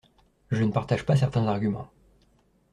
Je ne partage pas certains arguments.